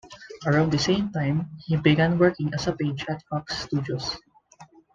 Around the same time, he began working as a page at Fox Studios.